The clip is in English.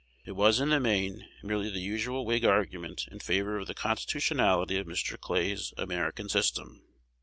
It was in the main merely the usual Whig argument in favor of the constitutionality of Mr. Clay's "American System."